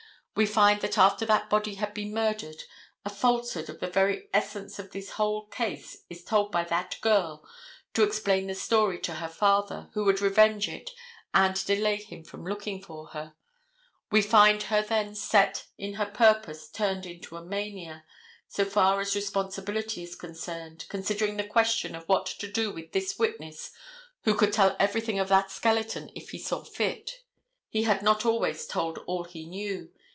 We find that after that body had been murdered a falsehood of the very essence of this whole case is told by that girl to explain the story to the father, who would revenge it and delay him from looking for her. We find her then set in her purpose turned into a mania, so far as responsibility is concerned, considering the question of what to do with this witness who could tell everything of that skeleton if he saw fit. He had not always told all he knew.